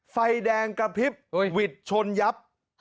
ไฟแดงกระพริบหวิดชนยับ